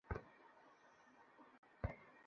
সে এটার প্রাপ্য ছিল না।